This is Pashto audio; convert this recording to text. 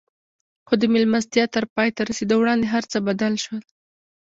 خو د مېلمستيا تر پای ته رسېدو وړاندې هر څه بدل شول.